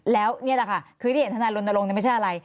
แล้วนี่แหละค่ะคือที่เห็นทนายรณรงค์ไม่ใช่อะไร